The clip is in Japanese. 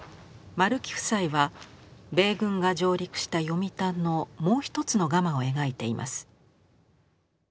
丸木夫妻は米軍が上陸した読谷のもう一つのガマを描いています。